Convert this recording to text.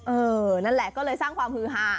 เออนั่นแหละก็เลยสร้างความฮือฮา